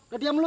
ke diam lo